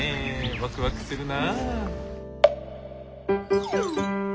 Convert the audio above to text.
ワクワクするな。